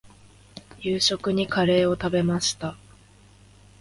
夕食にカレーを食べました。